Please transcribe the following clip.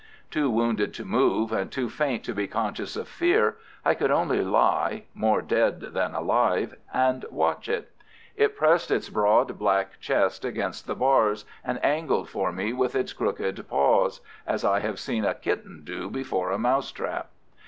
Too wounded to move, and too faint to be conscious of fear, I could only lie, more dead than alive, and watch it. It pressed its broad, black chest against the bars and angled for me with its crooked paws as I have seen a kitten do before a mouse trap.